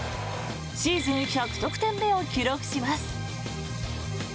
シーズン１００得点目を記録します。